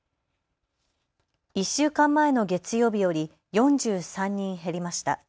１週間前の月曜日より４３人減りました。